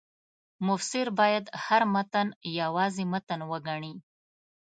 مفسر باید هر متن یوازې متن وګڼي.